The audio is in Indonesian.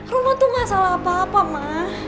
roman tuh gak salah apa apa ma